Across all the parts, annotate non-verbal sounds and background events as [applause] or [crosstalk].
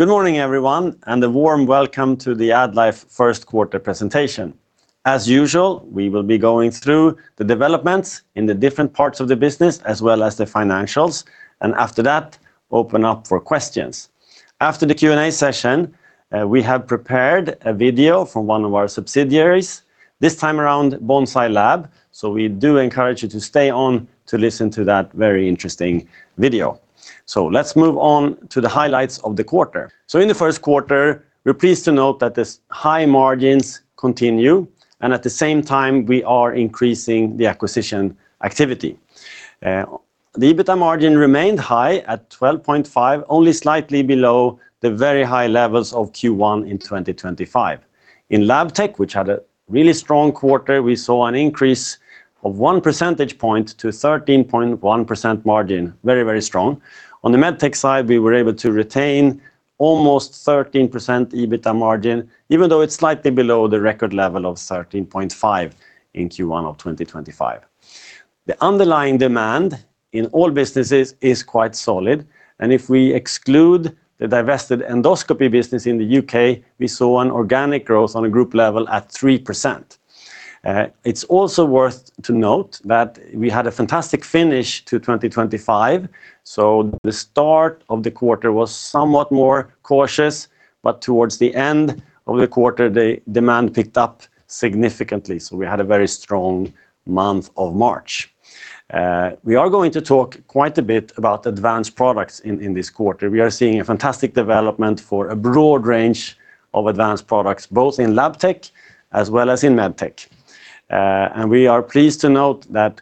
Good morning, everyone, and a warm welcome to the AddLife first quarter presentation. As usual, we will be going through the developments in the different parts of the business as well as the financials, and after that, we will open up for questions. After the Q&A session, we have prepared a video from one of our subsidiaries, this time around Bonsai Lab. We do encourage you to stay on to listen to that very interesting video. Let's move on to the highlights of the quarter. In the first quarter, we're pleased to note that these high margins continue, and at the same time we are increasing the acquisition activity. The EBITDA margin remained high at 12.5%, only slightly below the very high levels of Q1 in 2025. In Labtech, which had a really strong quarter, we saw an increase of one percentage point to a 13.1% margin. Very, very strong. On the Medtech side, we were able to retain almost 13% EBITDA margin, even though it's slightly below the record level of 13.5% in Q1 of 2025. The underlying demand in all businesses is quite solid. If we exclude the divested endoscopy business in the U.K., we saw an organic growth on a group level at 3%. It's also worth to note that we had a fantastic finish to 2025. The start of the quarter was somewhat more cautious. Towards the end of the quarter, the demand picked up significantly. We had a very strong month of March. We are going to talk quite a bit about advanced products in this quarter. We are seeing a fantastic development for a broad range of advanced products, both in Labtech as well as in Medtech. We are pleased to note that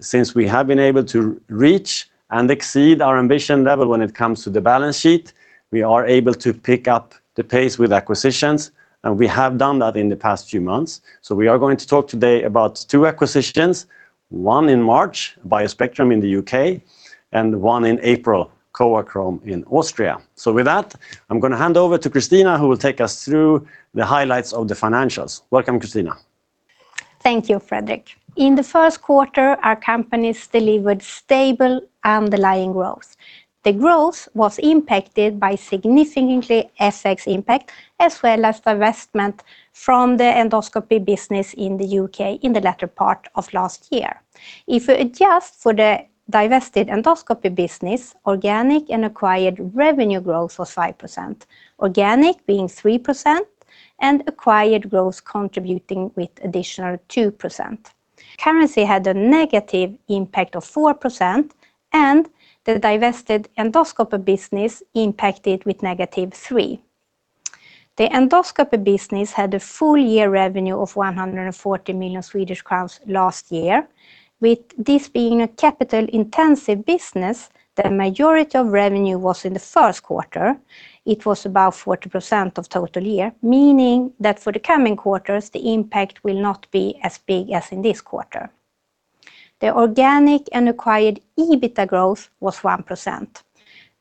since we have been able to reach and exceed our ambition level when it comes to the balance sheet, we are able to pick up the pace with acquisitions, and we have done that in the past few months. We are going to talk today about two acquisitions, one in March, BioSpectrum in the U.K., and one in April, CoaChrom in Austria. With that, I'm gonna hand over to Christina, who will take us through the highlights of the financials. Welcome, Christina. Thank you, Fredrik. In the first quarter, our companies delivered stable underlying growth. The growth was impacted by significant FX impact, as well as divestment from the endoscopy business in the U.K. in the latter part of last year. If we adjust for the divested endoscopy business, organic and acquired revenue growth was 5%, organic being 3% and acquired growth contributing with additional 2%. Currency had a negative impact of 4% and the divested endoscopy business impacted with negative 3%. The endoscopy business had a full year revenue of 140 million Swedish crowns last year. With this being a capital-intensive business, the majority of revenue was in the first quarter. It was about 40% of total year, meaning that for the coming quarters, the impact will not be as big as in this quarter. The organic and acquired EBITDA growth was 1%.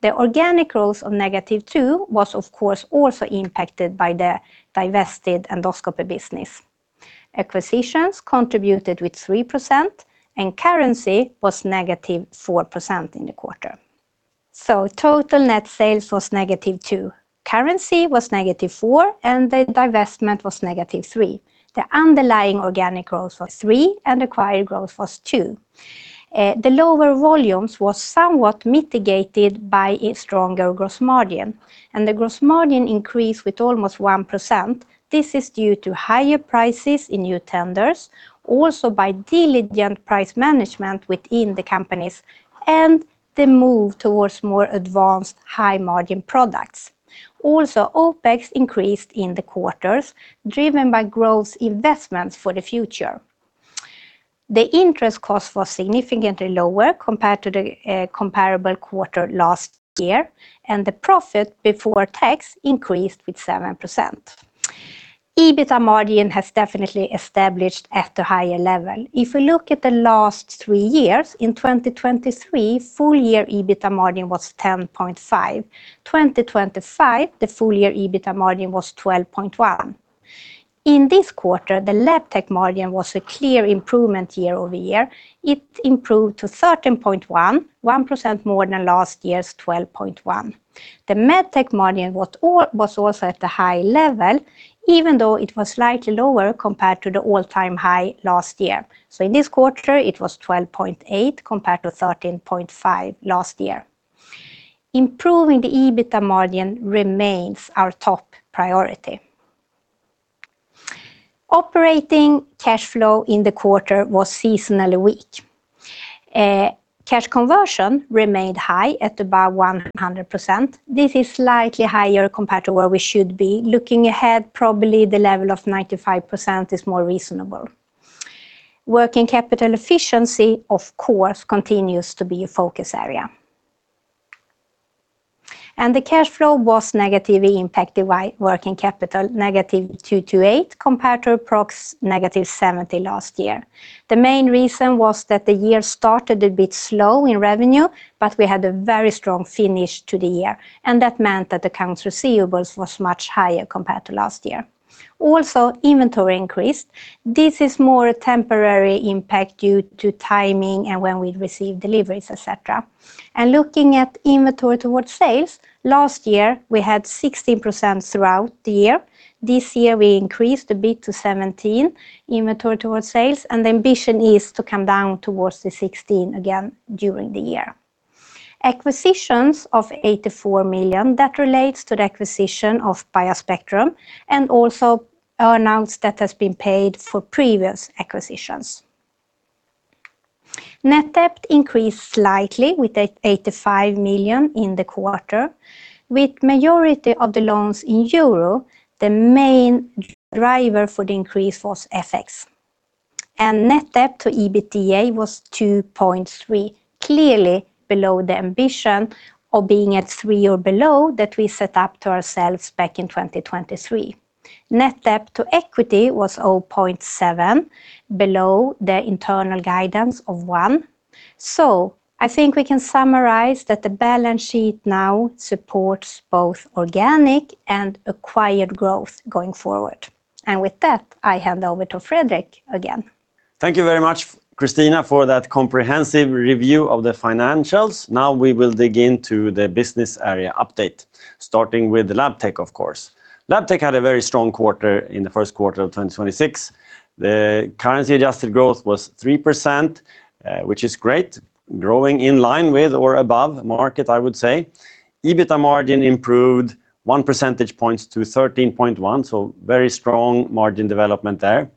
The organic growth of -2% was of course also impacted by the divested endoscopy business. Acquisitions contributed with 3% and currency was -4% in the quarter. Total net sales was -2%. Currency was -4%, and the divestment was -3%. The underlying organic growth was 3%, and acquired growth was 2%. The lower volumes was somewhat mitigated by a stronger gross margin, and the gross margin increased with almost 1%. This is due to higher prices in new tenders, also by diligent price management within the companies and the move towards more advanced high-margin products. Also, OpEx increased in the quarters driven by growth investments for the future. The interest cost was significantly lower compared to the comparable quarter last year, and the profit before tax increased with 7%. EBITDA margin has definitely established at a higher level. If we look at the last three years, in 2023, full year EBITDA margin was 10.5%. 2025, the full year EBITDA margin was 12.1%. In this quarter, the Labtech margin was a clear improvement year-over-year. It improved to 13.1%, 1% more than last year's 12.1%. The Medtech margin was also at a high level, even though it was slightly lower compared to the all-time high last year. In this quarter it was 12.8% compared to 13.5% last year. Improving the EBITDA margin remains our top priority. Operating cash flow in the quarter was seasonally weak. Cash conversion remained high at about 100%. This is slightly higher compared to where we should be. Looking ahead, probably the level of 95% is more reasonable. Working capital efficiency, of course, continues to be a focus area. The cash flow was negatively impacted by working capital, -228 compared to approx. -70 last year. The main reason was that the year started a bit slow in revenue, but we had a very strong finish to the year and that meant that accounts receivables was much higher compared to last year. Also, inventory increased. This is more a temporary impact due to timing and when we receive deliveries, etc. Looking at inventory towards sales, last year we had 16% throughout the year. This year we increased a bit to 17% inventory towards sales, and the ambition is to come down towards the 16% again during the year. Acquisitions of 84 million that relates to the acquisition of BioSpectrum and also announced that has been paid for previous acquisitions. Net debt increased slightly with 85 million in the quarter. With majority of the loans in euro, the main driver for the increase was FX. Net debt to EBITDA was 2.3, clearly below the ambition of being at 3 or below that we set up to ourselves back in 2023. Net debt to equity was 0.7 below the internal guidance of 1. I think we can summarize that the balance sheet now supports both organic and acquired growth going forward. With that, I hand over to Fredrik again. Thank you very much, Christina, for that comprehensive review of the financials. Now we will dig into the business area update, starting with Labtech, of course. Labtech had a very strong quarter in the first quarter of 2026. The currency adjusted growth was 3%, which is great, growing in line with or above market, I would say. EBITDA margin improved one percentage point to 13.1%, so very strong margin development there.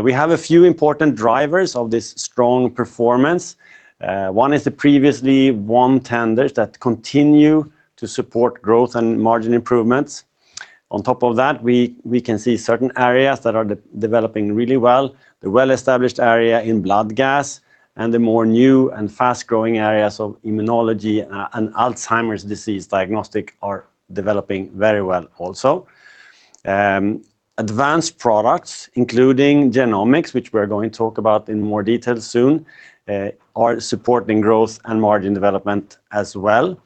We have a few important drivers of this strong performance. One is the previously won tenders that continue to support growth and margin improvements. On top of that, we can see certain areas that are developing really well. The well-established area in blood gas and the more new and fast-growing areas of immunology and Alzheimer's disease diagnostic are developing very well also. Advanced products, including genomics, which we're going to talk about in more detail soon, are supporting growth and margin development as well.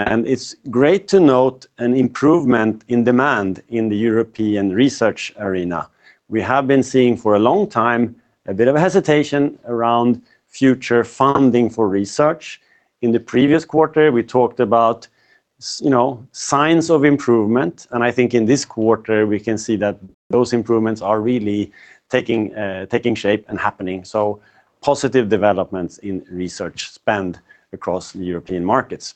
It's great to note an improvement in demand in the European research arena. We have been seeing for a long time a bit of a hesitation around future funding for research. In the previous quarter, we talked about you know, signs of improvement, and I think in this quarter we can see that those improvements are really taking shape and happening, positive developments in research spend across European markets.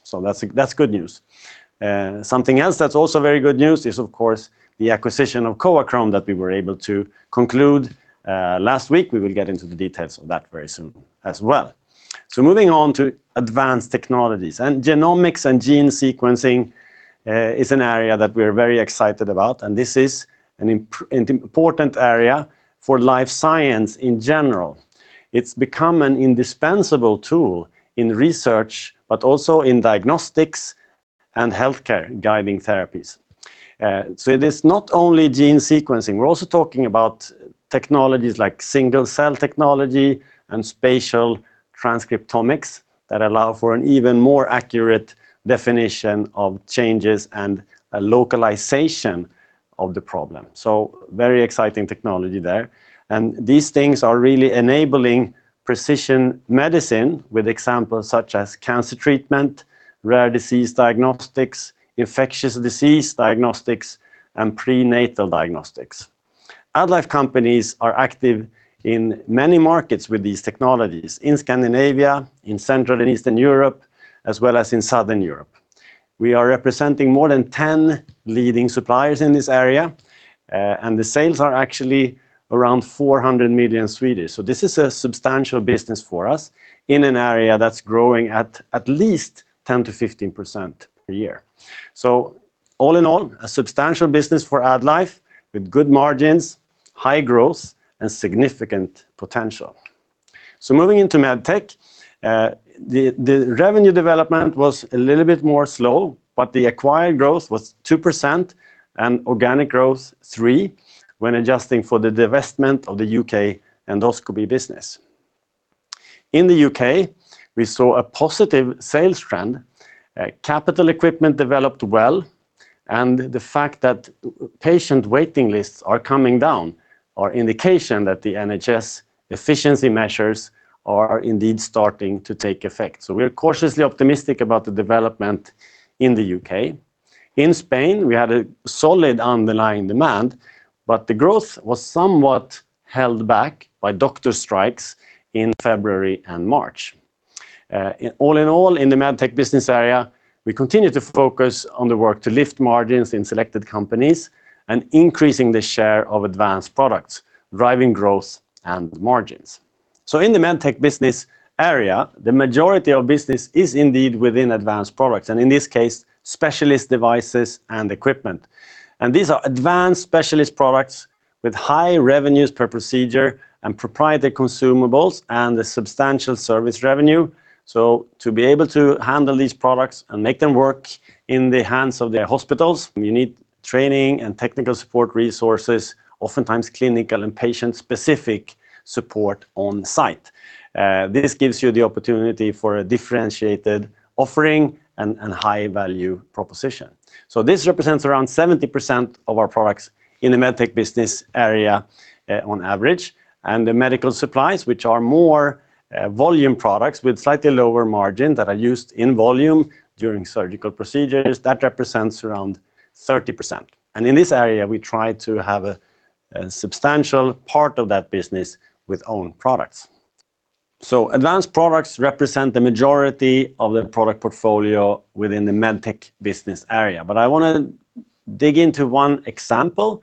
That's good news. Something else that's also very good news is of course the acquisition of CoaChrom that we were able to conclude last week. We will get into the details of that very soon as well. Moving on to advanced technologies, and genomics and gene sequencing, is an area that we're very excited about, and this is an important area for life science in general. It's become an indispensable tool in research, but also in diagnostics and healthcare guiding therapies. It is not only gene sequencing. We're also talking about technologies like single cell technology and spatial transcriptomics that allow for an even more accurate definition of changes and a localization of the problem, so very exciting technology there. These things are really enabling precision medicine with examples such as cancer treatment, rare disease diagnostics, infectious disease diagnostics, and prenatal diagnostics. AddLife companies are active in many markets with these technologies, in Scandinavia, in Central and Eastern Europe, as well as in Southern Europe. We are representing more than 10 leading suppliers in this area, and the sales are actually around 400 million. This is a substantial business for us in an area that's growing at least 10%-15% per year. All in all, a substantial business for AddLife with good margins, high growth, and significant potential. Moving into Medtech, the revenue development was a little bit slower, but the acquired growth was 2% and organic growth 3% when adjusting for the divestment of the U.K. endoscopy business. In the U.K., we saw a positive sales trend. Capital equipment developed well, and the fact that patient waiting lists are coming down is indication that the NHS efficiency measures are indeed starting to take effect. We're cautiously optimistic about the development in the U.K. In Spain, we had a solid underlying demand, but the growth was somewhat held back by doctor strikes in February and March. In all, in the Medtech business area, we continue to focus on the work to lift margins in selected companies and increasing the share of advanced products, driving growth and margins. In the Medtech business area, the majority of business is indeed within advanced products, and in this case, specialist devices and equipment. These are advanced specialist products with high revenues per procedure and proprietary consumables and a substantial service revenue. To be able to handle these products and make them work in the hands of their hospitals, you need training and technical support resources, oftentimes clinical and patient-specific support on site. This gives you the opportunity for a differentiated offering and high value proposition. This represents around 70% of our products in the Medtech business area, on average. The medical supplies, which are more volume products with slightly lower margin that are used in volume during surgical procedures, that represents around 30%. In this area, we try to have a substantial part of that business with own products. Advanced products represent the majority of the product portfolio within the Medtech business area. I wanna dig into one example,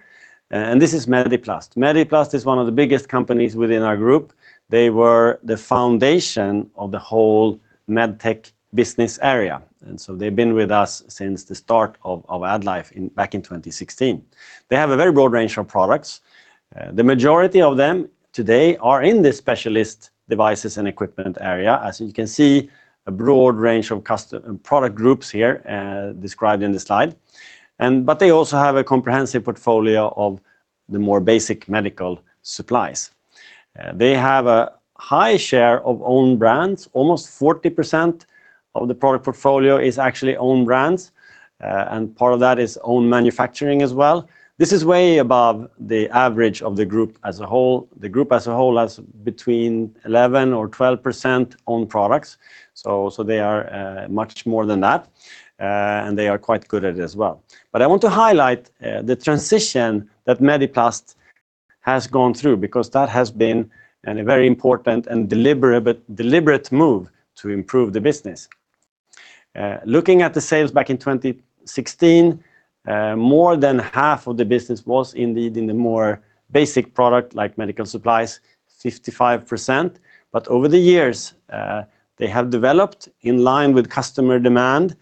and this is Mediplast. Mediplast is one of the biggest companies within our group. They were the foundation of the whole Medtech business area, and so they've been with us since the start of AddLife in back in 2016. They have a very broad range of products. The majority of them today are in the specialist devices and equipment area. As you can see, a broad range of custom product groups here, described in the slide, they also have a comprehensive portfolio of the more basic medical supplies. They have a high share of own brands. Almost 40% of the product portfolio is actually own brands, and part of that is own manufacturing as well. This is way above the average of the group as a whole. The group as a whole has between 11% or 12% own products, so they are much more than that, and they are quite good at it as well. I want to highlight the transition that Mediplast has gone through because that has been a very important and deliberate move to improve the business. Looking at the sales back in 2016, more than half of the business was indeed in the more basic product like medical supplies, 55%. Over the years, they have developed in line with customer demand,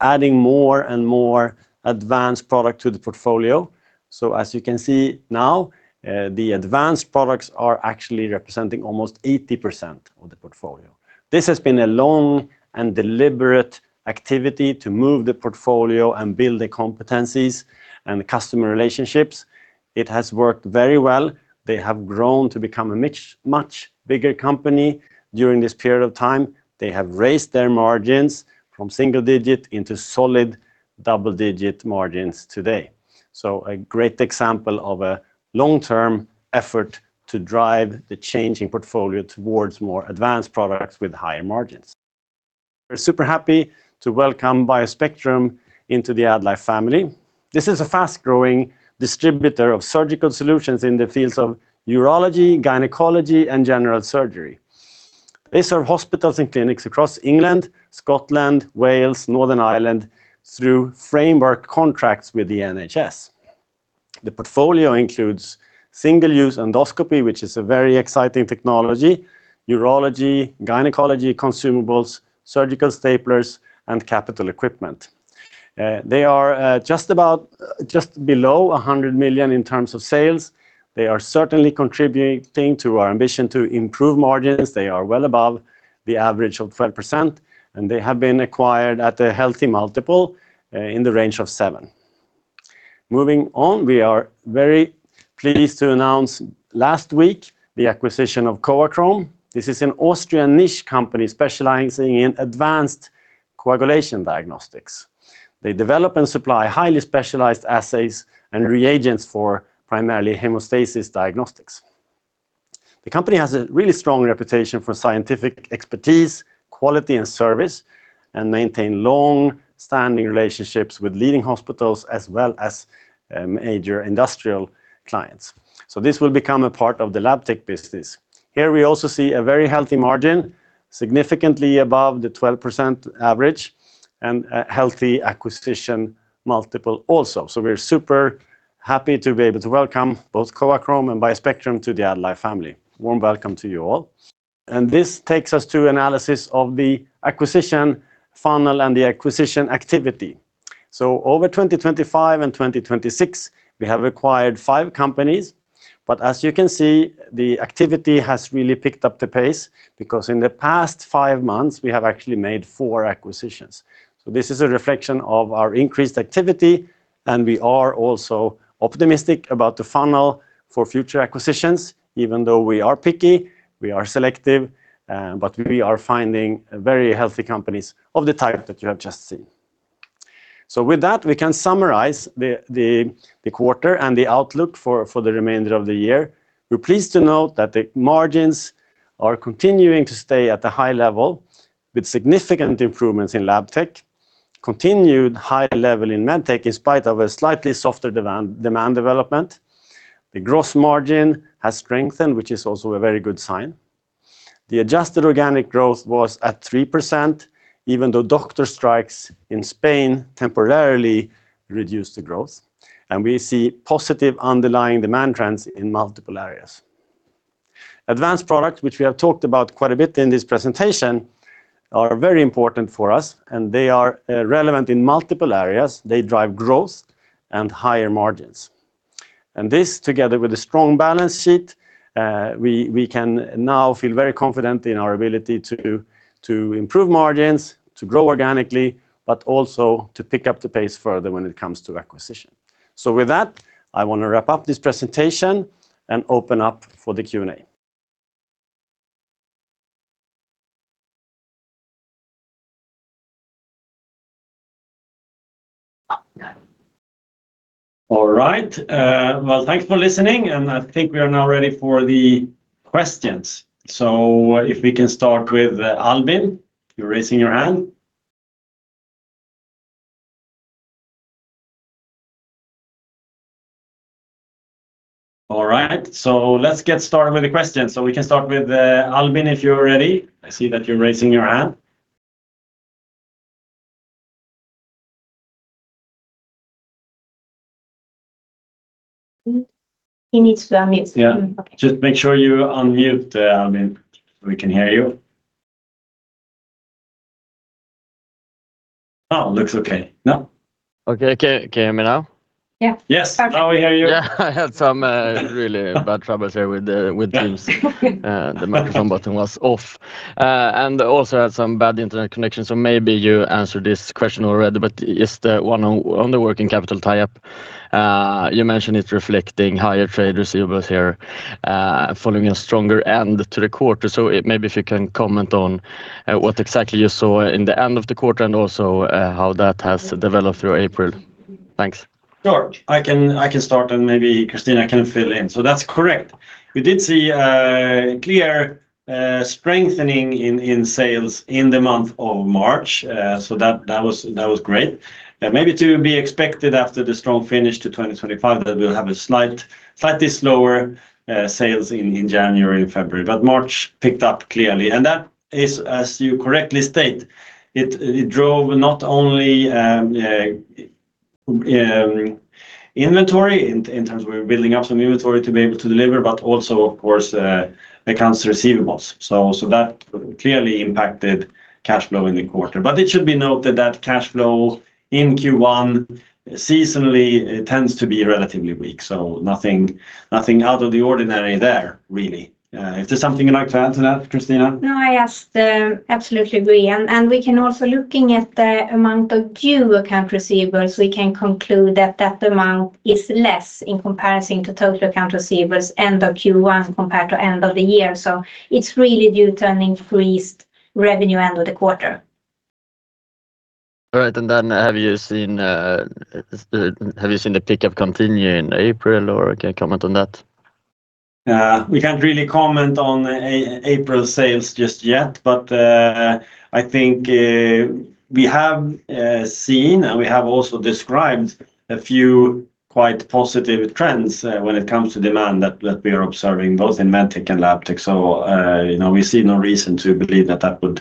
adding more and more advanced product to the portfolio. As you can see now, the advanced products are actually representing almost 80% of the portfolio. This has been a long and deliberate activity to move the portfolio and build the competencies and customer relationships. It has worked very well. They have grown to become a much bigger company during this period of time. They have raised their margins from single-digit into solid double-digit margins today. A great example of a long-term effort to drive the changing portfolio towards more advanced products with higher margins. We're super happy to welcome BioSpectrum into the AddLife family. This is a fast-growing distributor of surgical solutions in the fields of urology, gynecology, and general surgery. They serve hospitals and clinics across England, Scotland, Wales, Northern Ireland through framework contracts with the NHS. The portfolio includes single-use endoscopy, which is a very exciting technology, urology, gynecology consumables, surgical staplers, and capital equipment. They are just below 100 million in terms of sales. They are certainly contributing to our ambition to improve margins. They are well above the average of 12%, and they have been acquired at a healthy multiple in the range of seven. Moving on, we are very pleased to announce last week the acquisition of CoaChrom. This is an Austrian niche company specializing in advanced coagulation diagnostics. They develop and supply highly specialized assays and reagents for primarily hemostasis diagnostics. The company has a really strong reputation for scientific expertise, quality, and service, and maintain long-standing relationships with leading hospitals as well as major industrial clients. This will become a part of the Labtech business. Here we also see a very healthy margin, significantly above the 12% average, and a healthy acquisition multiple also. We're super happy to be able to welcome both CoaChrom and BioSpectrum to the AddLife family. Warm welcome to you all. This takes us to analysis of the acquisition funnel and the acquisition activity. Over 2025 and 2026, we have acquired five companies, but as you can see, the activity has really picked up the pace because in the past five months, we have actually made four acquisitions. This is a reflection of our increased activity, and we are also optimistic about the funnel for future acquisitions, even though we are picky, we are selective, but we are finding very healthy companies of the type that you have just seen. With that, we can summarize the quarter and the outlook for the remainder of the year. We're pleased to note that the margins are continuing to stay at a high level with significant improvements in Labtech, continued high level in Medtech in spite of a slightly softer demand development. The gross margin has strengthened, which is also a very good sign. The adjusted organic growth was at 3%, even though doctor strikes in Spain temporarily reduced the growth. We see positive underlying demand trends in multiple areas. Advanced products, which we have talked about quite a bit in this presentation, are very important for us, and they are relevant in multiple areas. They drive growth and higher margins. This together with a strong balance sheet, we can now feel very confident in our ability to improve margins, to grow organically, but also to pick up the pace further when it comes to acquisition. With that, I wanna wrap up this presentation and open up for the Q&A. All right. Well, thanks for listening, and I think we are now ready for the questions. If we can start with Albin, you're raising your hand. All right, let's get started with the questions. We can start with Albin, if you're ready. I see that you're raising your hand. He needs to unmute. Yeah. Just make sure you unmute, Albin, so we can hear you. Oh, looks okay. No? Okay. Can you hear me now? Yeah. Yes. Perfect. Now we hear you. Yeah. I had some really bad troubles here with Teams. Yeah. The microphone button was off. I also had some bad internet connection, so maybe you answered this question already. Just one on the working capital tie-up, you mentioned it reflecting higher trade receivables here, following a stronger end to the quarter. Maybe if you can comment on what exactly you saw in the end of the quarter and also how that has developed through April. Thanks. Sure. I can start, and maybe Christina can fill in. That's correct. We did see a clear strengthening in sales in the month of March. That was great. It was maybe to be expected after the strong finish to 2025 that we'll have a slightly slower sales in January and February. March picked up clearly, and that is, as you correctly state, it drove not only inventory, in terms of we're building up some inventory to be able to deliver, but also, of course, accounts receivables. That clearly impacted cash flow in the quarter. It should be noted that cash flow in Q1 seasonally tends to be relatively weak, so nothing out of the ordinary there really. Is there something you'd like to add to that, Christina? No. I absolutely agree. We can also look at the amount of days accounts receivable, we can conclude that amount is less in comparison to total accounts receivable end of Q1 compared to end of the year. It's really due to an increased revenue end of the quarter. All right. Have you seen the pickup continue in April, or can you comment on that? We can't really comment on April sales just yet, but I think we have seen and we have also described a few quite positive trends when it comes to demand that we are observing both in Medtech and Labtech. You know, we see no reason to believe that would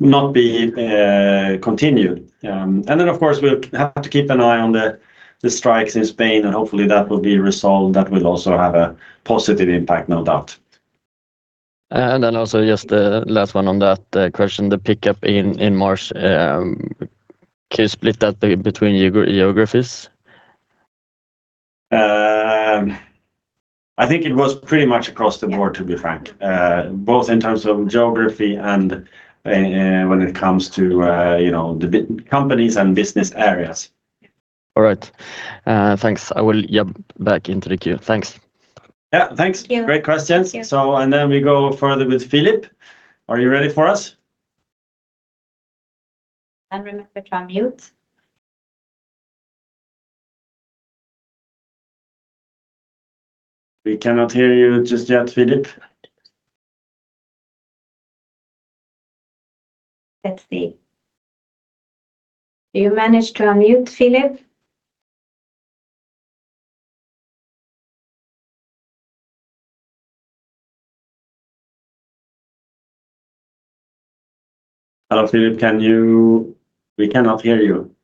not be continued. Of course, we have to keep an eye on the strikes in Spain, and hopefully that will be resolved. That will also have a positive impact, no doubt. Also just last one on that question. The pickup in March, can you split that between geographies? I think it was pretty much across the board. Yeah To be frank, both in terms of geography and, when it comes to, you know, the companies and business areas. All right. Thanks. I will jump back into the queue. Thanks. Yeah. Thanks. Thank you. Great questions. Thank you. We go further with Philip. Are you ready for us? Remember to unmute. We cannot hear you just yet, Philip. Let's see. Do you manage to unmute, Philip? Hello, Philip. We cannot hear you.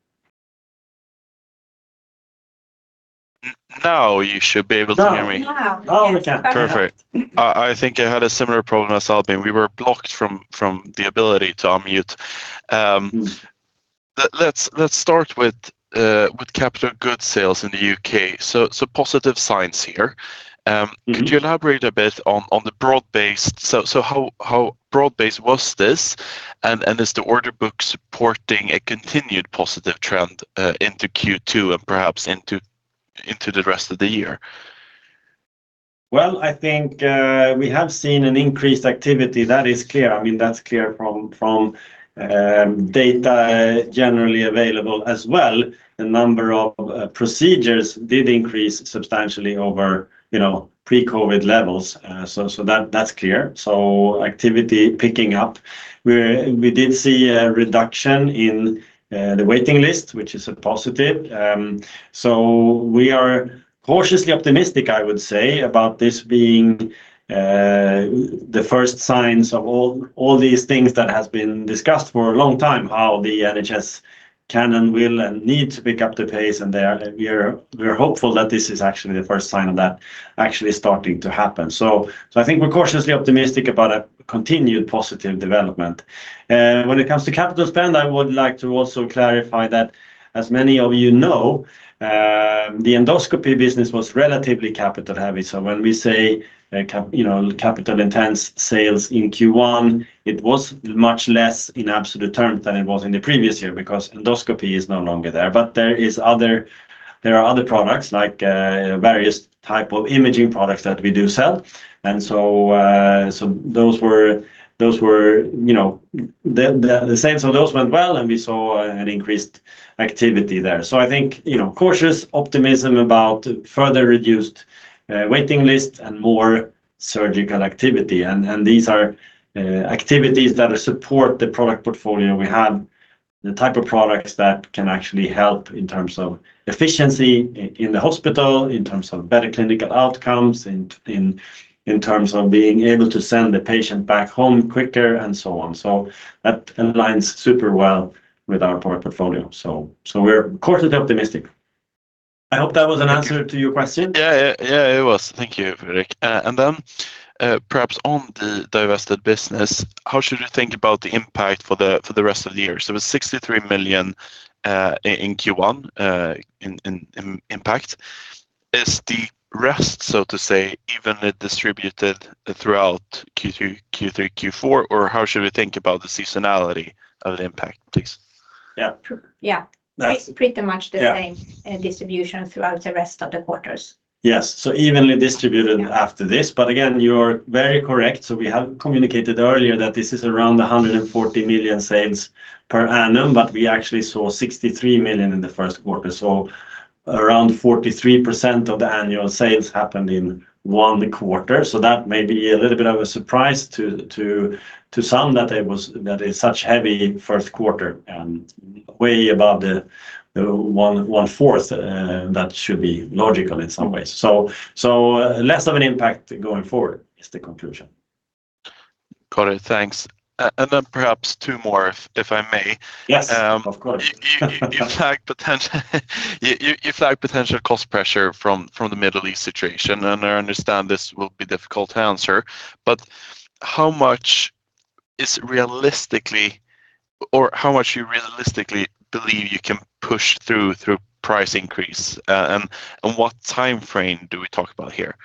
Now you should be able to hear me. Now. Now. Now we can. Perfect. Perfect. I think I had a similar problem as Albin. We were blocked from the ability to unmute. Let's start with capital goods sales in the U.K. Positive signs here. Mm-hmm. Could you elaborate a bit on the broad-based? So how broad-based was this? And is the order book supporting a continued positive trend into Q2 and perhaps into the rest of the year? Well, I think we have seen an increased activity. That is clear. I mean, that's clear from data generally available as well. The number of procedures did increase substantially over, you know, pre-COVID levels. That's clear. Activity picking up. We did see a reduction in the waiting list, which is a positive. We are cautiously optimistic, I would say, about this being the first signs of all these things that has been discussed for a long time, how the NHS can and will and need to pick up the pace. We are hopeful that this is actually the first sign of that actually starting to happen. I think we're cautiously optimistic about a continued positive development. When it comes to capital spend, I would like to also clarify that as many of you know, the endoscopy business was relatively capital heavy. When we say capital intense sales in Q1, it was much less in absolute terms than it was in the previous year because endoscopy is no longer there. There are other products like various type of imaging products that we do sell. Those were the same. Those went well and we saw an increased activity there. I think cautious optimism about further reduced waiting lists and more surgical activity. These are activities that support the product portfolio we have, the type of products that can actually help in terms of efficiency in the hospital, in terms of better clinical outcomes, in terms of being able to send the patient back home quicker and so on. That aligns super well with our product portfolio. We're cautiously optimistic. I hope that was an answer to your question. Yeah, it was. Thank you, Fredrik. Perhaps on the divested business, how should we think about the impact for the rest of the year? It was 63 million in Q1 in impact. Is the rest, so to say, evenly distributed throughout Q2, Q3, Q4? How should we think about the seasonality of the impact, please? Yeah. Yeah. Pretty much the same distribution throughout the rest of the quarters. Yes. Evenly distributed after this. Again, you're very correct. We have communicated earlier that this is around 140 million sales per annum, but we actually saw 63 million in the first quarter. Around 43% of the annual sales happened in one quarter. That may be a little bit of a surprise to some that it's such heavy first quarter and way above the 1/4 that should be logical in some ways. Less of an impact going forward is the conclusion. Got it. Thanks. Perhaps two more, if I may. Yes, of course. You flag potential cost pressure from the Middle East situation, and I understand this will be difficult to answer, but how much is realistically or how much you realistically believe you can push through price increase? What time frame do we talk about here?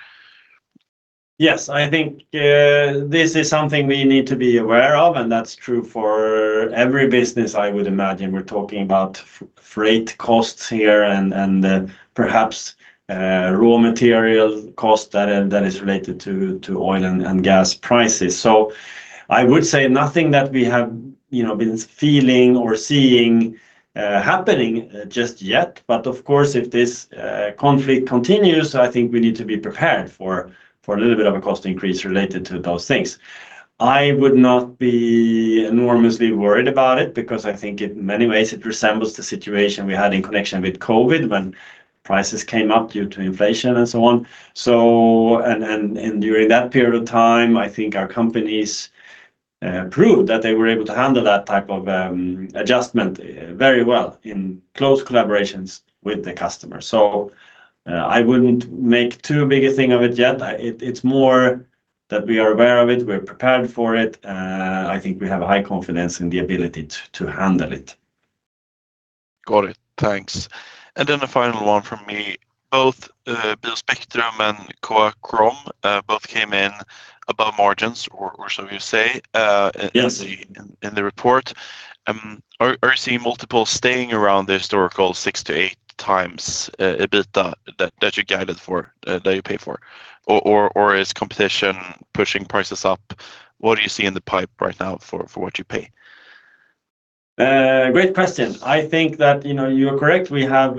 Yes, I think this is something we need to be aware of, and that's true for every business, I would imagine. We're talking about freight costs here and perhaps raw material cost that is related to oil and gas prices. I would say nothing that we have been feeling or seeing happening just yet. Of course, if this conflict continues, I think we need to be prepared for a little bit of a cost increase related to those things. I would not be enormously worried about it because I think in many ways it resembles the situation we had in connection with COVID when prices came up due to inflation and so on. During that period of time, I think our companies proved that they were able to handle that type of adjustment very well in close collaborations with the customer. I wouldn't make too big a thing of it yet. It's more that we are aware of it. We're prepared for it. I think we have high confidence in the ability to handle it. Got it. Thanks. A final one from me. Both BioSpectrum and CoaChrom both came in above margins, or so you say in the report. Are you seeing multiples staying around the historical 6x-8x EBITDA that you guided for, that you pay for? Or is competition pushing prices up? What do you see in the pipe right now for what you pay? Great question. I think that you are correct. We have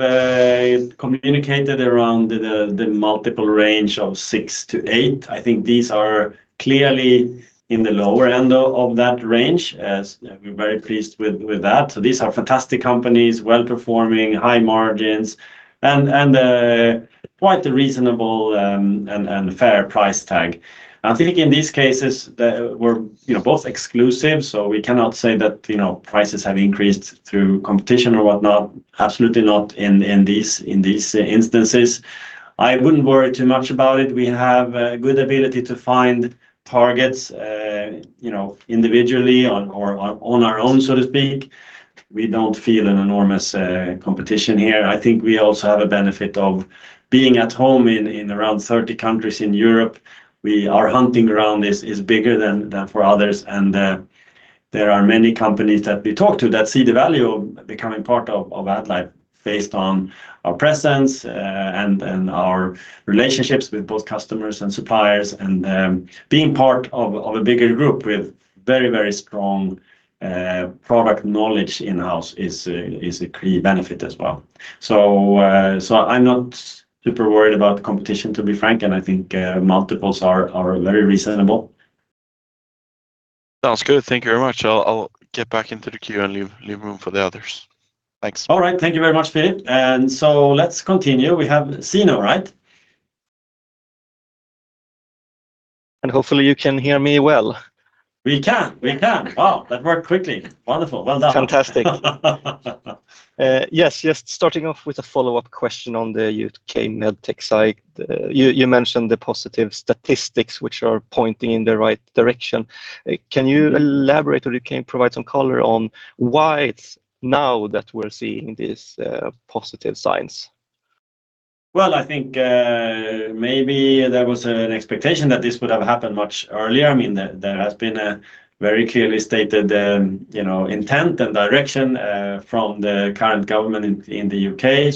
communicated around the multiple range of 6x-8x. I think these are clearly in the lower end of that range. We're very pleased with that. These are fantastic companies, well-performing, high margins, and quite a reasonable and fair price tag. I think in these cases, we're both exclusive, so we cannot say that prices have increased through competition or whatnot. Absolutely not in these instances. I wouldn't worry too much about it. We have a good ability to find targets individually or on our own, so to speak. We don't feel an enormous competition here. I think we also have a benefit of being at home in around 30 countries in Europe. Our hunting ground is bigger than for others. There are many companies that we talk to that see the value of becoming part of AddLife based on our presence and our relationships with both customers and suppliers. Being part of a bigger group with very, very strong product knowledge in-house is a key benefit as well. I'm not super worried about competition, to be frank, and I think multiples are very reasonable. Sounds good. Thank you very much. I'll get back into the queue and leave room for the others. Thanks. All right. Thank you very much, Philip. Let's continue. We have Sino, right? Hopefully you can hear me well. We can. Wow, that worked quickly. Wonderful. Well done. Fantastic. Yes, just starting off with a follow-up question on the U.K. Medtech side. You mentioned the positive statistics which are pointing in the right direction. Can you elaborate or you can provide some color on why it's now that we're seeing these positive signs? Well, I think maybe there was an expectation that this would have happened much earlier. I mean, there has been a very clearly stated, you know, intent and direction from the current government in the U.K.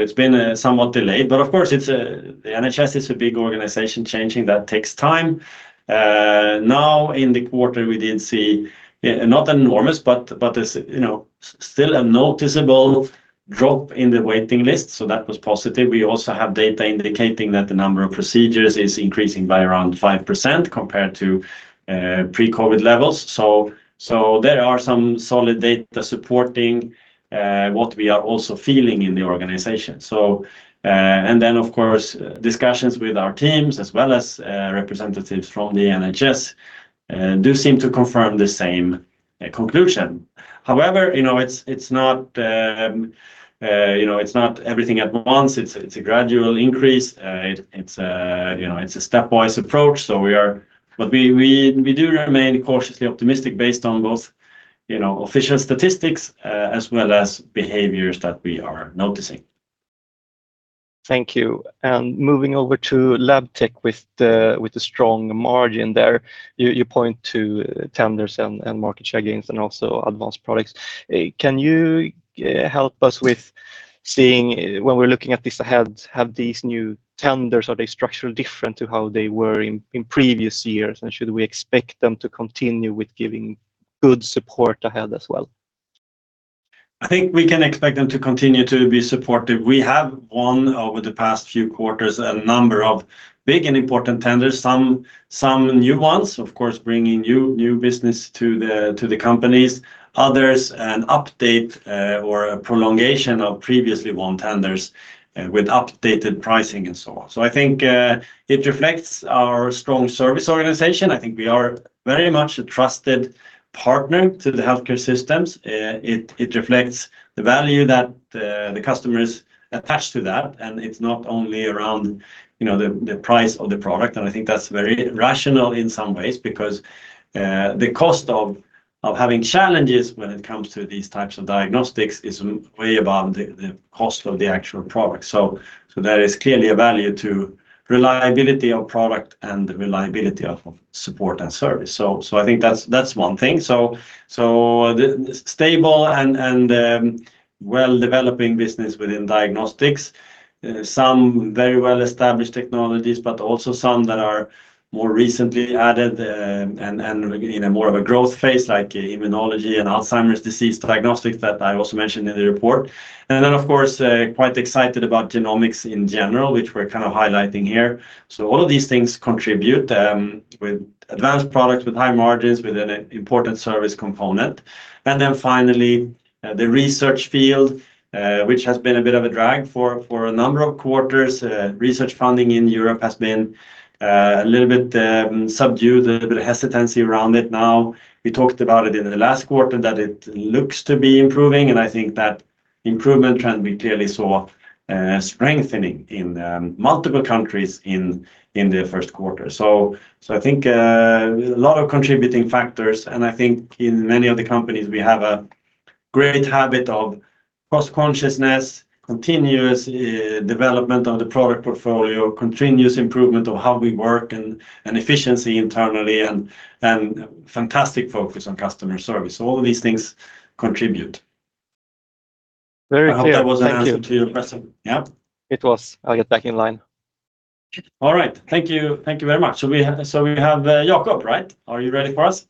It's been somewhat delayed, but of course, it's the NHS, a big organization. Changing that takes time. Now, in the quarter we did see not enormous, but there's, you know, still a noticeable drop in the waiting list, so that was positive. We also have data indicating that the number of procedures is increasing by around 5% compared to pre-COVID levels. There are some solid data supporting what we are also feeling in the organization. Of course, discussions with our teams as well as representatives from the NHS do seem to confirm the same conclusion. However, you know, it's not everything at once. It's a gradual increase. It's a stepwise approach, so we do remain cautiously optimistic based on both, you know, official statistics as well as behaviors that we are noticing. Thank you. Moving over to Labtech with the strong margin there, you point to tenders and market share gains and also advanced products. Can you help us with seeing when we're looking at this ahead, have these new tenders, are they structurally different to how they were in previous years, and should we expect them to continue with giving good support ahead as well? I think we can expect them to continue to be supportive. We have won over the past few quarters a number of big and important tenders. Some new ones, of course, bringing new business to the companies. Others an update or a prolongation of previously won tenders with updated pricing and so on. I think it reflects our strong service organization. I think we are very much a trusted partner to the healthcare systems. It reflects the value that the customers attach to that, and it's not only around, you know, the price of the product. I think that's very rational in some ways because the cost of having challenges when it comes to these types of diagnostics is way above the cost of the actual product. There is clearly a value to reliability of product and the reliability of support and service. I think that's one thing. The stable and well-developing business within diagnostics. Some very well-established technologies, but also some that are more recently added, you know, more of a growth phase like immunology and Alzheimer's disease diagnostics that I also mentioned in the report. Of course, quite excited about genomics in general, which we're kind of highlighting here. All of these things contribute with advanced products, with high margins, with an important service component. Finally, the research field, which has been a bit of a drag for a number of quarters. Research funding in Europe has been a little bit subdued, a little bit of hesitancy around it now. We talked about it in the last quarter that it looks to be improving, and I think that improvement trend we clearly saw strengthening in multiple countries in the first quarter. I think a lot of contributing factors, and I think in many of the companies we have a great habit of cost consciousness, continuous development of the product portfolio, continuous improvement of how we work and efficiency internally and fantastic focus on customer service. All of these things contribute. Very clear. Thank you. I hope that was an answer to your question. Yeah? It was. I'll get back in line. All right. Thank you. Thank you very much. We have Jakob, right? Are you ready for us?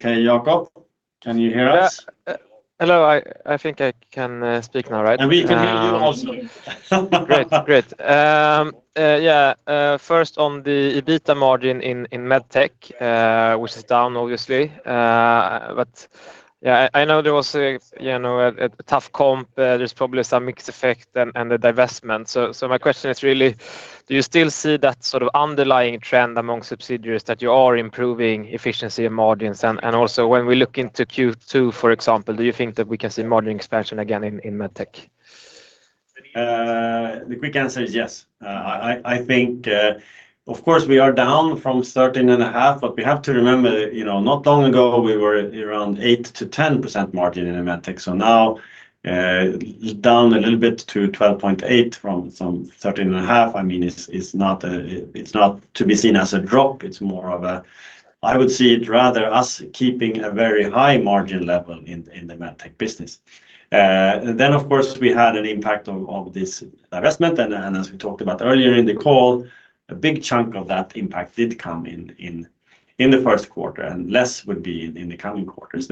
Okay, Jakob, can you hear us? Yeah. Hello. I think I can speak now, right? We can hear you also. Great. First on the EBITDA margin in Medtech, which is down obviously. I know there was, you know, a tough comp. There's probably some FX effect and the divestment. My question is really, do you still see that sort of underlying trend among subsidiaries that you are improving efficiency and margins? Also, when we look into Q2, for example, do you think that we can see margin expansion again in Medtech? The quick answer is yes. I think, of course we are down from 13.5%, but we have to remember, you know, not long ago we were around 8%-10% margin in Medtech. Now, down a little bit to 12.8% from some 13.5%. I mean, it's not to be seen as a drop. It's more of a I would see it rather as us keeping a very high margin level in the Medtech business. Of course, we had an impact of this divestment and as we talked about earlier in the call, a big chunk of that impact did come in the first quarter and less would be in the coming quarters.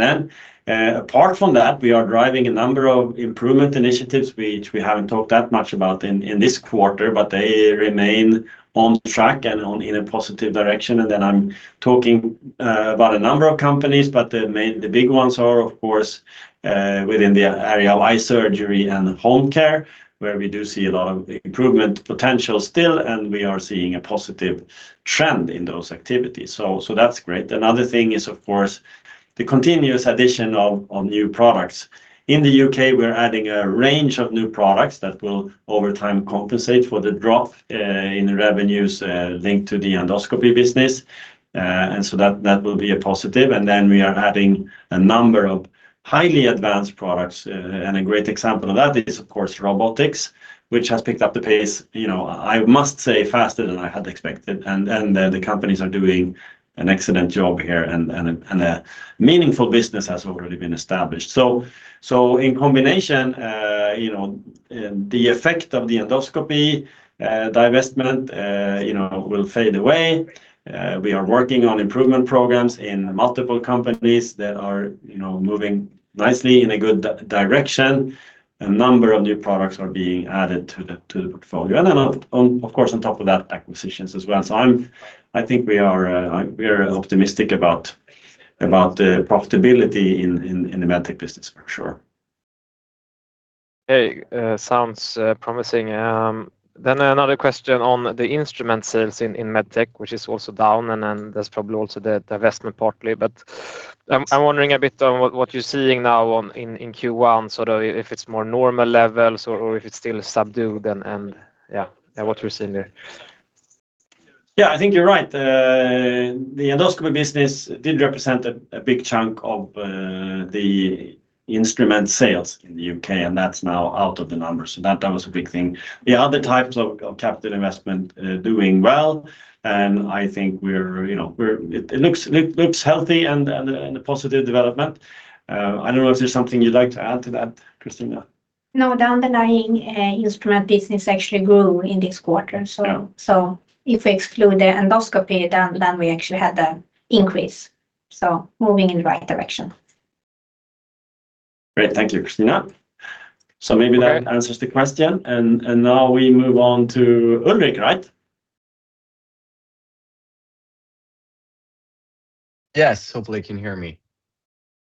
Apart from that, we are driving a number of improvement initiatives which we haven't talked that much about in this quarter, but they remain on track and in a positive direction. I'm talking about a number of companies, but the main, the big ones are of course within the area of eye surgery and home care where we do see a lot of improvement potential still, and we are seeing a positive trend in those activities. That's great. Another thing is of course the continuous addition of new products. In the U.K., we're adding a range of new products that will over time compensate for the drop in the revenues linked to the endoscopy business. That will be a positive. We are adding a number of highly advanced products. A great example of that is, of course, robotics, which has picked up the pace, you know, I must say faster than I had expected. The companies are doing an excellent job here and a meaningful business has already been established. In combination, you know, the effect of the endoscopy divestment, you know, will fade away. We are working on improvement programs in multiple companies that are, you know, moving nicely in a good direction. A number of new products are being added to the portfolio. Then of course, on top of that, acquisitions as well. I think we are optimistic about the profitability in the Medtech business for sure. Okay. Sounds promising. Another question on the instrument sales in Medtech, which is also down, and then there's probably also the divestment partly. I'm wondering a bit on what you're seeing now in Q1, sort of if it's more normal levels or if it's still subdued and yeah. Yeah, what you're seeing there. Yeah, I think you're right. The endoscopy business did represent a big chunk of the instrument sales in the U.K., and that's now out of the numbers. That was a big thing. The other types of capital investment are doing well, and I think you know it looks healthy and a positive development. I don't know if there's something you'd like to add to that, Christina. No, the underlying, instrument business actually grew in this quarter. Yeah. If we exclude the endoscopy, then we actually had an increase. Moving in the right direction. Great. Thank you, Christina. Maybe that answers the question. Now we move on to Ulrik, right? Yes. Hopefully you can hear me.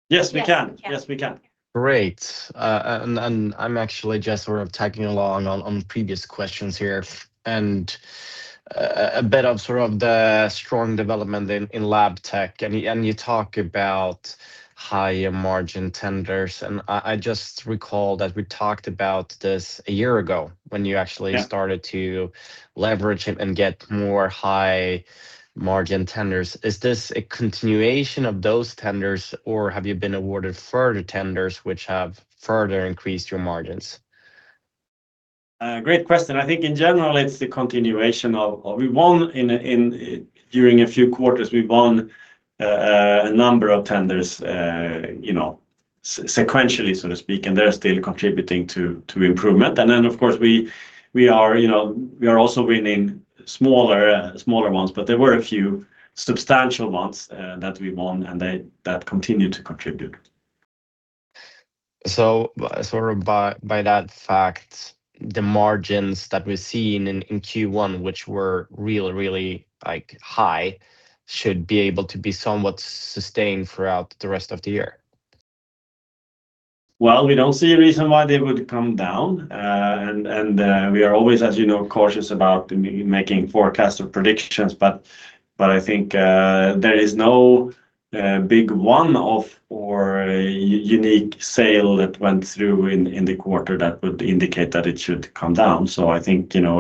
Yes, we can. Yes, we can. Yes, we can. Great. I'm actually just sort of tagging along on previous questions here. A bit of sort of the strong development in Labtech, and you talk about higher margin tenders. I just recall that we talked about this a year ago when you actually- Yeah Started to leverage it and get more high margin tenders. Is this a continuation of those tenders or have you been awarded further tenders which have further increased your margins? Great question. I think in general it's the continuation of during a few quarters we won a number of tenders, you know, sequentially, so to speak, and they're still contributing to improvement. Then of course, we are also winning smaller ones, but there were a few substantial ones that we won that continue to contribute. Sort of by that fact, the margins that we're seeing in Q1, which were really, like, high, should be able to be somewhat sustained throughout the rest of the year. Well, we don't see a reason why they would come down. We are always, as you know, cautious about making forecasts or predictions. I think there is no big one-off or unique sale that went through in the quarter that would indicate that it should come down. I think, you know,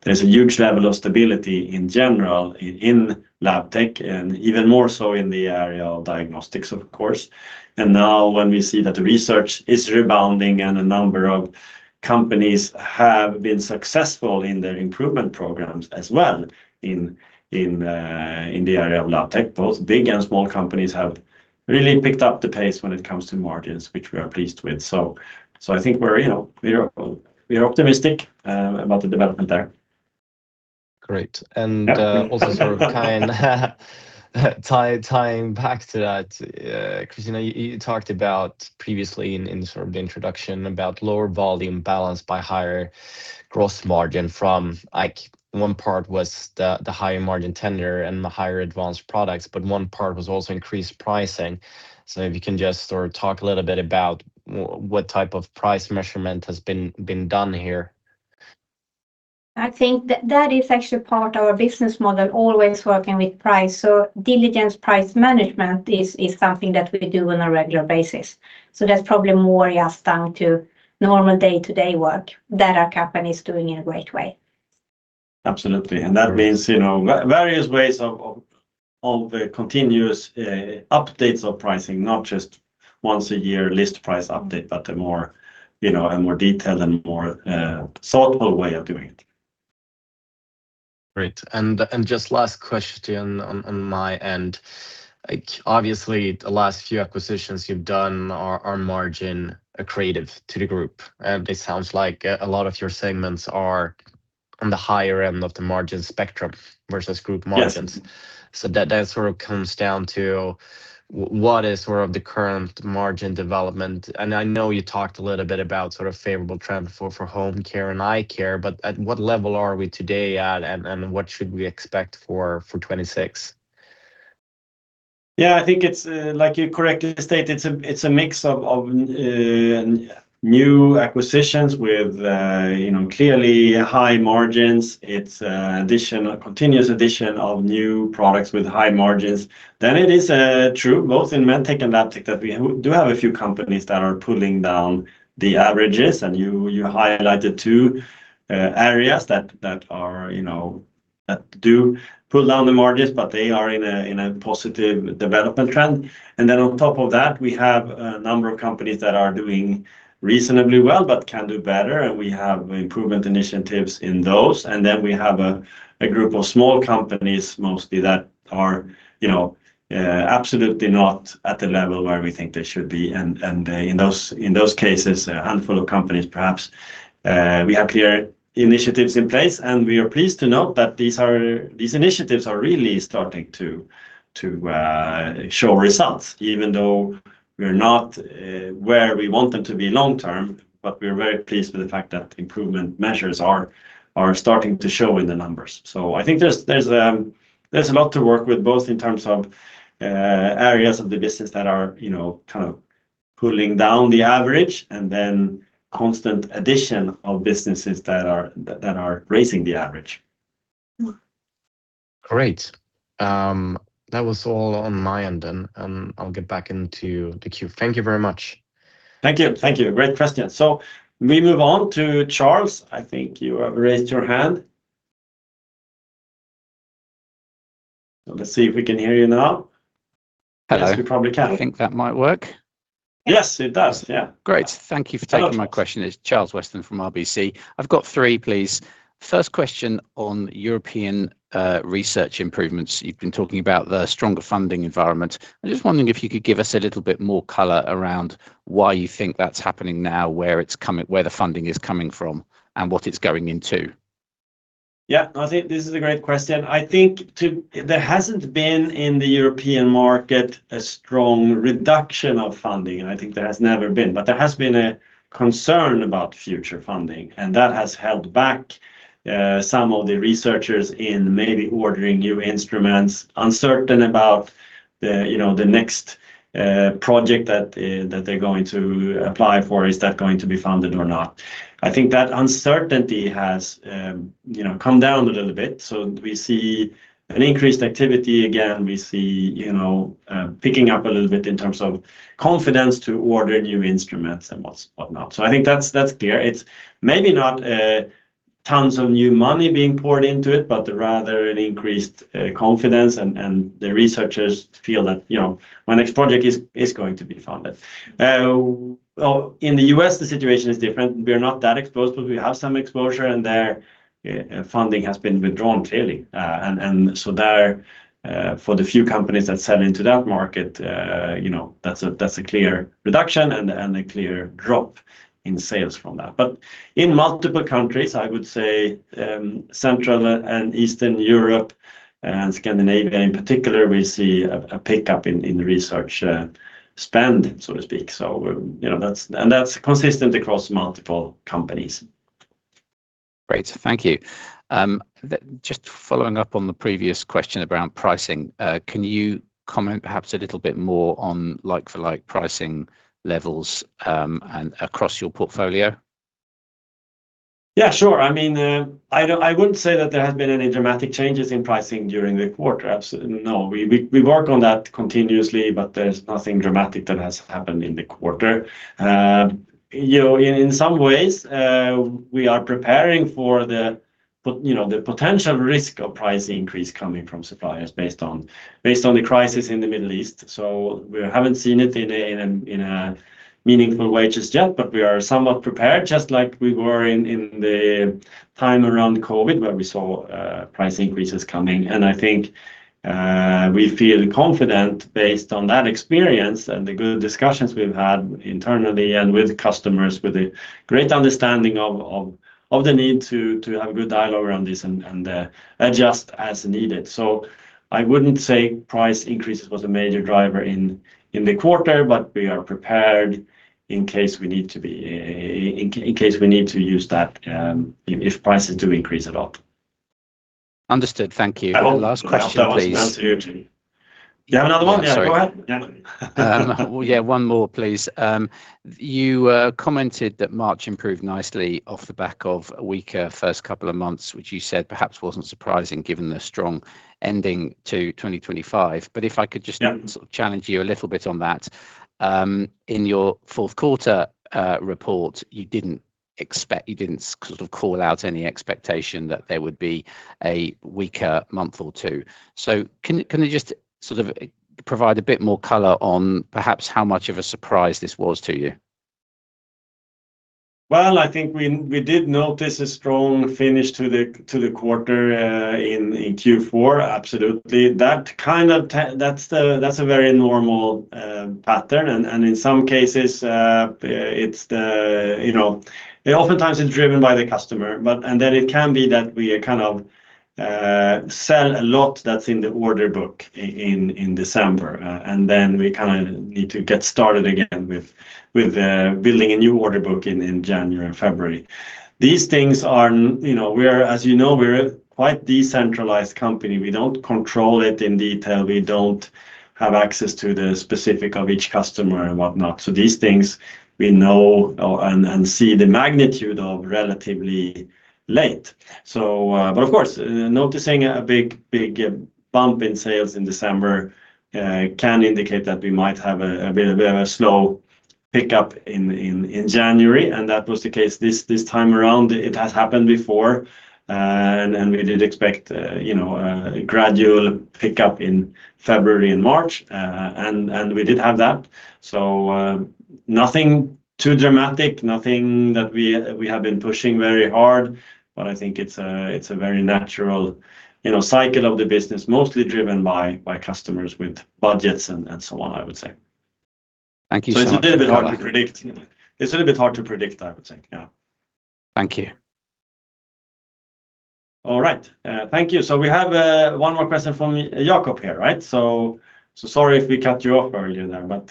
there's a huge level of stability in general in Labtech, and even more so in the area of diagnostics, of course. Now when we see that research is rebounding and a number of companies have been successful in their improvement programs as well in the area of Labtech, both big and small companies have really picked up the pace when it comes to margins, which we are pleased with. I think, you know, we are optimistic about the development there. Great. Also sort of tying back to that, Christina, you talked about previously in sort of the introduction about lower volume balanced by higher gross margin from like one part was the higher margin tender and the higher advanced products, but one part was also increased pricing. If you can just sort of talk a little bit about what type of price measurement has been done here. I think that is actually part of our business model, always working with price. Diligent price management is something that we do on a regular basis. That's probably more, yes, down to normal day-to-day work that our company is doing in a great way. Absolutely. That means, you know, various ways of continuous updates of pricing, not just once a year list price update, but a more, you know, a more detailed and more thoughtful way of doing it. Great. Just last question on my end. Like, obviously the last few acquisitions you've done are margin accretive to the group. It sounds like a lot of your segments are on the higher end of the margin spectrum versus group margins. Yes. Sort of comes down to what is sort of the current margin development. I know you talked a little bit about sort of favorable trend for home care and eye care, but at what level are we today at and what should we expect for 2026? Yeah, I think it's like you correctly stated, it's a mix of new acquisitions with you know, clearly high margins. It's continuous addition of new products with high margins. It is true both in Medtech and Labtech that we do have a few companies that are pulling down the averages, and you highlighted two areas that you know, that do pull down the margins, but they are in a positive development trend. On top of that, we have a number of companies that are doing reasonably well but can do better, and we have improvement initiatives in those. We have a group of small companies mostly that are you know, absolutely not at the level where we think they should be. In those cases, a handful of companies perhaps we have clear initiatives in place, and we are pleased to note that these initiatives are really starting to show results even though we're not where we want them to be long-term. We're very pleased with the fact that improvement measures are starting to show in the numbers. I think there's a lot to work with, both in terms of areas of the business that are, you know, kind of pulling down the average and then constant addition of businesses that are raising the average. Great. That was all on my end then, and I'll get back into the queue. Thank you very much. Thank you. Thank you. Great question. We move on to Charles. I think you have raised your hand. Let's see if we can hear you now. Hello. Yes, we probably can. I think that might work. Yes, it does. Yeah. Great. Thank you for taking my question. Hello, Charles. It's Charles Weston from RBC. I've got three, please. First question on European research improvements. You've been talking about the stronger funding environment. I'm just wondering if you could give us a little bit more color around why you think that's happening now, where the funding is coming from and what it's going into. Yeah. I think this is a great question. There hasn't been in the European market a strong reduction of funding, and I think there has never been, but there has been a concern about future funding, and that has held back some of the researchers in maybe ordering new instruments, uncertain about the, you know, the next project that they're going to apply for. Is that going to be funded or not? I think that uncertainty has, you know, come down a little bit, so we see an increased activity again. We see, you know, picking up a little bit in terms of confidence to order new instruments and what's, whatnot. So I think that's clear. It's maybe not tons of new money being poured into it, but rather an increased confidence and the researchers feel that, you know, my next project is going to be funded. Well, in the U.S., the situation is different. We are not that exposed, but we have some exposure in there. Funding has been withdrawn clearly, and so there, for the few companies that sell into that market, you know, that's a clear reduction and a clear drop in sales from that. But in multiple countries, I would say, Central and Eastern Europe and Scandinavia in particular, we see a pickup in research spend, so to speak. You know, that's consistent across multiple companies. Great. Thank you. Just following up on the previous question around pricing, can you comment perhaps a little bit more on like-for-like pricing levels, and across your portfolio? Yeah, sure. I mean, I wouldn't say that there has been any dramatic changes in pricing during the quarter. No. We work on that continuously, but there's nothing dramatic that has happened in the quarter. You know, in some ways, we are preparing for you know, the potential risk of price increase coming from suppliers based on the crisis in the Middle East. So we haven't seen it in a meaningful way just yet, but we are somewhat prepared, just like we were in the time around COVID where we saw price increases coming. I think we feel confident based on that experience and the good discussions we've had internally and with customers with a great understanding of the need to have a good dialogue around this and adjust as needed. I wouldn't say price increases was a major driver in the quarter, but we are prepared in case we need to be, in case we need to use that, if prices do increase at all. Understood. Thank you. One last question, please. I have one question I want to add to you. Do you have another one? Oh, sorry. Yeah, go ahead. Yeah. Well, yeah, one more please. You commented that March improved nicely off the back of a weaker first couple of months, which you said perhaps wasn't surprising given the strong ending to 2025. If I could just- Yeah. I sort of challenge you a little bit on that. In your fourth quarter report, you didn't sort of call out any expectation that there would be a weaker month or two. Can you just sort of provide a bit more color on perhaps how much of a surprise this was to you? Well, I think we did notice a strong finish to the quarter in Q4, absolutely. That's a very normal pattern. In some cases it's, you know. It oftentimes is driven by the customer, but then it can be that we kind of sell a lot that's in the order book in December, and then we kinda need to get started again with building a new order book in January and February. These things are, you know, we are, as you know, we're a quite decentralized company. We don't control it in detail. We don't have access to the specifics of each customer and whatnot, so these things we know and see the magnitude of relatively late. Of course, noticing a big bump in sales in December can indicate that we might have a bit of a slow pickup in January, and that was the case this time around. It has happened before. We did expect you know a gradual pickup in February and March. We did have that. Nothing too dramatic, nothing that we have been pushing very hard, but I think it's a very natural you know cycle of the business, mostly driven by customers with budgets and so on, I would say. Thank you so much [crosstalk] It's a little bit hard to predict, I would say. Yeah. Thank you. All right. Thank you. We have one more question from Jakob here, right? Sorry if we cut you off earlier then, but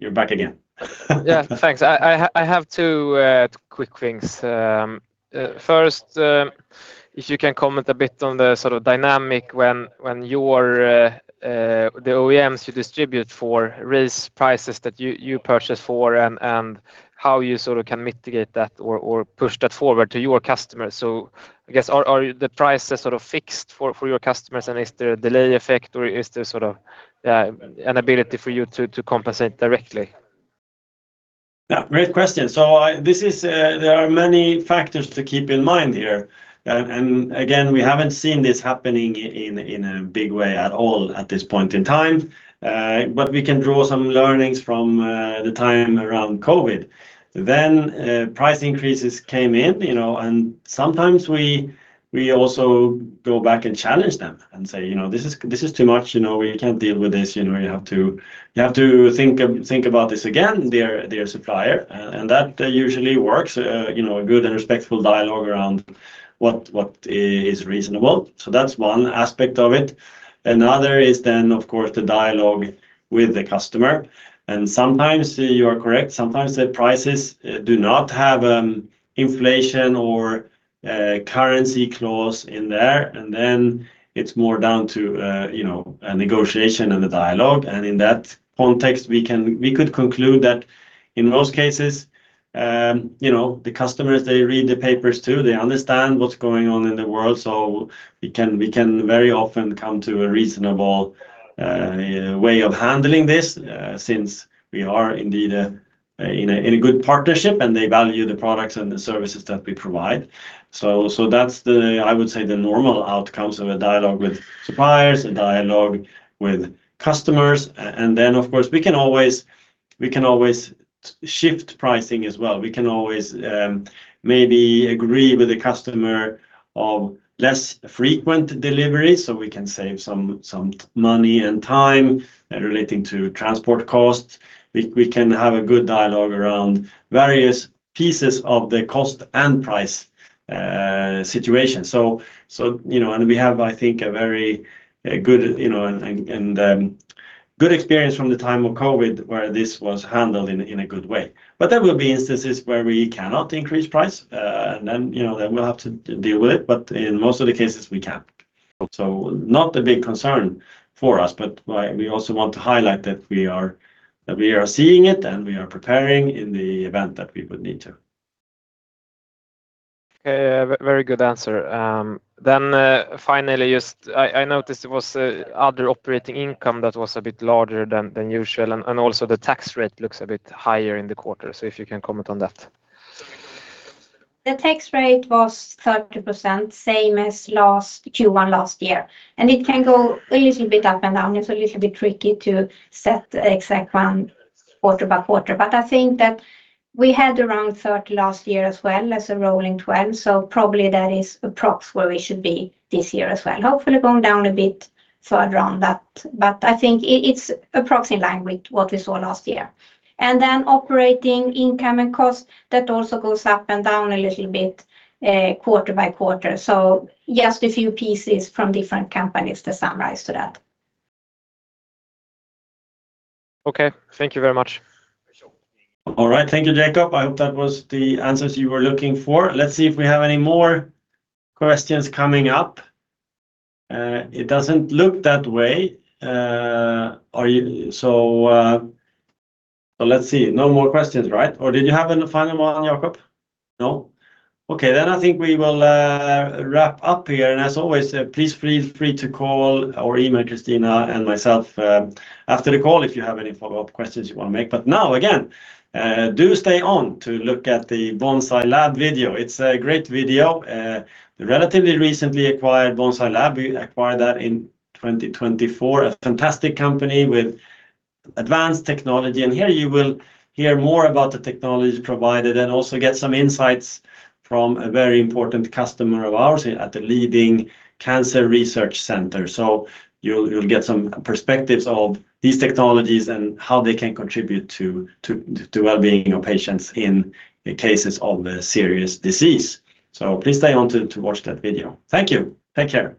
you're back again. Yeah. Thanks. I have two quick things. First, if you can comment a bit on the sort of dynamic when the OEMs you distribute for raise prices that you purchase for and how you sort of can mitigate that or push that forward to your customers. I guess are the prices sort of fixed for your customers and is there a delay effect or is there sort of an ability for you to compensate directly? Yeah, great question. There are many factors to keep in mind here. Again, we haven't seen this happening in a big way at all at this point in time. But we can draw some learnings from the time around COVID. Price increases came in, you know, and sometimes we also go back and challenge them and say, you know, this is too much, you know. We can't deal with this, you know. You have to think about this again, their supplier. And that usually works, you know, a good and respectful dialogue around what is reasonable. That's one aspect of it. Another is then, of course, the dialogue with the customer. Sometimes you are correct. Sometimes the prices do not have inflation or a currency clause in there, and then it's more down to you know a negotiation and a dialogue. In that context, we could conclude that in most cases you know the customers they read the papers too. They understand what's going on in the world, so we can very often come to a reasonable way of handling this since we are indeed in a good partnership, and they value the products and the services that we provide. So that's the I would say the normal outcomes of a dialogue with suppliers, a dialogue with customers. Of course, we can always shift pricing as well. We can always maybe agree with the customer of less frequent delivery, so we can save some money and time relating to transport costs. We can have a good dialogue around various pieces of the cost and price situation. You know, and we have, I think, a very good, you know, and good experience from the time of COVID where this was handled in a good way. There will be instances where we cannot increase price, and then, you know, we'll have to deal with it. In most of the cases, we can. Not a big concern for us, but we also want to highlight that we are seeing it, and we are preparing in the event that we would need to. Okay. A very good answer. Finally, just I noticed it was other operating income that was a bit larger than usual and also the tax rate looks a bit higher in the quarter. If you can comment on that. The tax rate was 30%, same as last Q1 last year. It can go a little bit up and down. It's a little bit tricky to set exact one quarter-by-quarter. I think that we had around 30% last year as well as a rolling twelve, so probably that is approx where we should be this year as well. Hopefully going down a bit further on that. I think it's approx in line with what we saw last year. Then operating income and cost, that also goes up and down a little bit, quarter-by-quarter. Just a few pieces from different companies to summarize to that. Okay. Thank you very much. All right. Thank you, Jakob. I hope that was the answers you were looking for. Let's see if we have any more questions coming up. It doesn't look that way. So, let's see. No more questions, right? Or did you have a final one, Jakob? No? Okay. Then I think we will wrap up here. As always, please feel free to call or email Christina and myself after the call if you have any follow-up questions you wanna make. But now, again, do stay on to look at the Bonsai Lab video. It's a great video. We relatively recently acquired Bonsai Lab. We acquired that in 2024. A fantastic company with advanced technology. Here you will hear more about the technology provided and also get some insights from a very important customer of ours at the leading cancer research center. You'll get some perspectives of these technologies and how they can contribute to wellbeing of patients in cases of a serious disease. Please stay on to watch that video. Thank you. Take care.